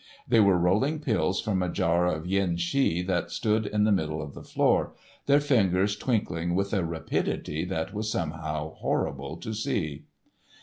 They were rolling pills from a jar of yen shee that stood in the middle of the floor, their fingers twinkling with a rapidity that was somehow horrible to see.